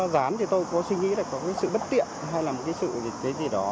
gián thì tôi có suy nghĩ là có cái sự bất tiện hay là một cái sự cái gì đó